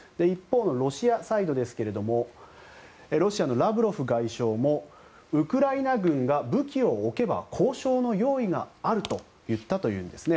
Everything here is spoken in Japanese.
一方のロシアサイドですけれどもロシアのラブロフ外相もウクライナ軍が武器を置けば交渉の用意があると言ったと。